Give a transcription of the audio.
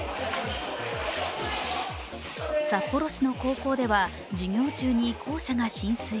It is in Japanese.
札幌市の高校では授業中に校舎が浸水。